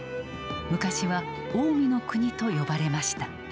昔は近江の国と呼ばれました。